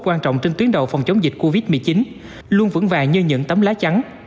quan trọng trên tuyến đầu phòng chống dịch covid một mươi chín luôn vững vàng như những tấm lá chắn